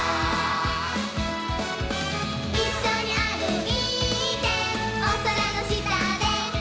「いっしょにあるいておそらのしたで」